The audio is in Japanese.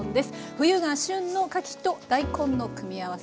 冬が旬のかきと大根の組み合わせ。